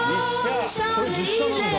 これ実写なんだ。